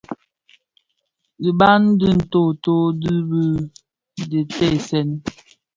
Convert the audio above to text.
Dhibag di ntööto di dhi diteesèn.